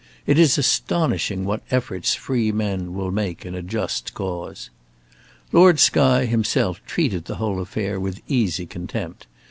It is astonishing what efforts freemen will make in a just cause. Lord Skye himself treated the whole affair with easy contempt.